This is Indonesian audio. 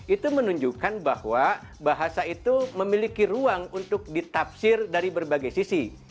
itu menunjukkan bahwa bahasa itu memiliki ruang untuk ditafsir dari berbagai sisi